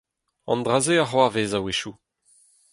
An dra-se a c'hoarvez a-wechoù.